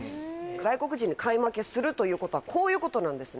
外国人に買い負けするということはこういうことなんですね。